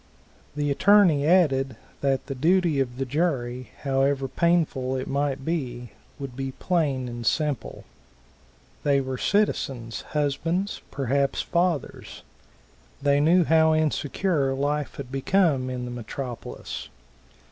The attorney added that the duty of the jury, however painful it might be, would be plain and simple. They were citizens, husbands, perhaps fathers. They knew how insecure life had become in the metropolis.